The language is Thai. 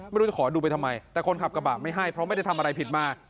ไม่รู้จะขอดูไปทำไมแต่คนขับกระบะไม่ให้เพราะไม่ได้ทำอะไรผิดมา